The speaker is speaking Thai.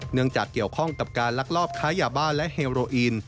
เนื่องจากเกี่ยวข้องกับการลักลอบค้ายาบ้าและเฮโรอีน